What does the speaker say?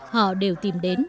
họ đều tìm đến